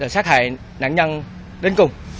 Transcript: sát hại nạn nhân đến cùng